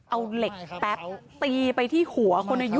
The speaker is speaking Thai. เอาเหล็กแป๊บตีไปที่หัวคนอายุ